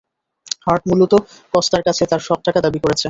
Heart মূলত কস্তার কাছে তার সব টাকা দাবি করেছে।